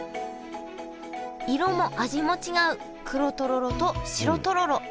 色も味も違う黒とろろと白とろろ。